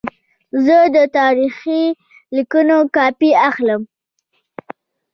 زه د تاریخي لیکونو کاپي اخلم.